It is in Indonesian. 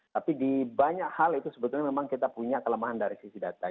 tapi di banyak hal itu sebetulnya memang kita punya kelemahan dari sisi data